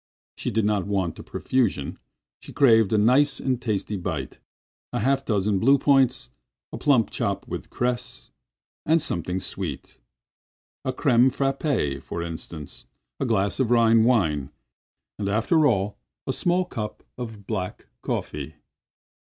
She did not want a profusion; she craved a nice and tasty bite—a half dozen blue points, a plump chop with cress, a something sweet—a crème frappée, for instance; a glass of Rhine wine, and after all a small cup of black coffee.